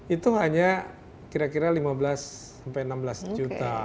itu hanya kira kira lima belas sampai enam belas juta